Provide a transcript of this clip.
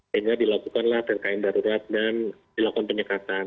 sehingga dilakukanlah pkn darurat dan dilakukan penyekatan